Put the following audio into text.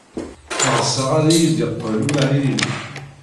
Ɣseɣ ad iyi-d-yeqqel umahil-inu.